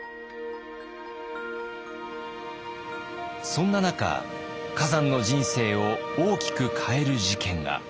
そんな中崋山の人生を大きく変える事件が。